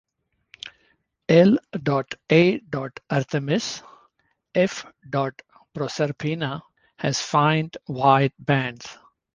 "L. a. arthemis" f. "proserpina" has faint white bands.